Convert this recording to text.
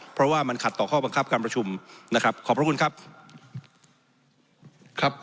เพราะว่ามันขัดต่อข้อบังคับการประชุมนะครับขอบพระคุณครับครับ